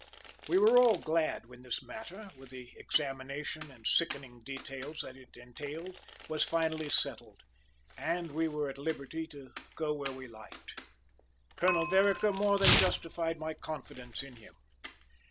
We were all glad when this matter, with the examination and sickening details that it entailed, was finally settled, and we were at liberty to go where we liked. Colonel Vereker more than justified my confidence in him.